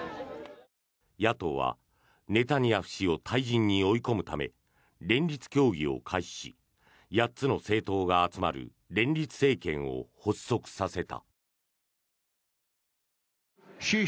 野党はネタニヤフ氏を退陣に追い込むため連立協議を開始し８つの政党が集まる連立政権を発足させた。